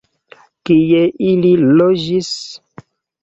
Kie ili loĝis?